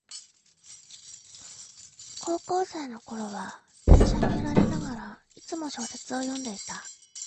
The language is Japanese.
高校生のころは電車に揺られながら、いつも小説を読んでいた